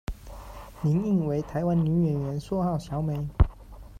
林映唯，台湾女演员，绰号小美。